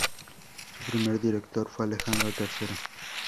Su primer director fue Alejandro Tercero.